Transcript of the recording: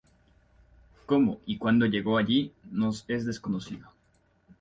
Cómo y cuándo llegó allí, nos es desconocido.